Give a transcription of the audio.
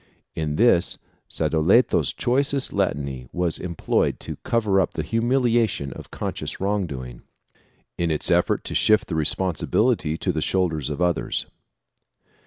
In this Sadoleto's choicest Latinity was employed to cover up the humiliation of conscious wrong doing, in its effort to shift the responsibility to the shoulders of others.